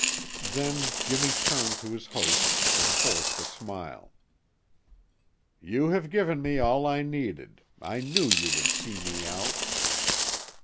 Then Jimmy turned to his hosts and forced a smile. "You have given me all I needed; I knew you would see me out."